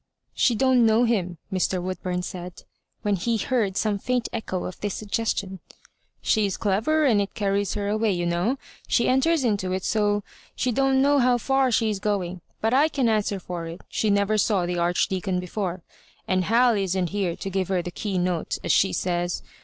"She don't know him," Mr. Woodburn said, when he heard some &int echo of this suggestion. "She's clever, and it carries her away, you know. She enters into it so, she don't know how far she is going ; but I can answer for it she never saw the Archdeacon before; and Hal isn't here to g^ve her the key note, as she says.